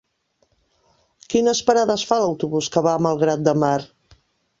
Quines parades fa l'autobús que va a Malgrat de Mar?